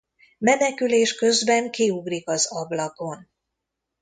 Menekülés közben kiugrik az ablakon.